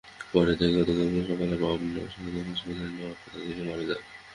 পরে তাঁকে গতকাল সকালে পাবনা সদর হাসপাতালে নেওয়ার পথে তিনি মারা যান।